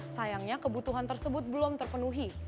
sayangnya kebutuhan tersebut belum terpenuhi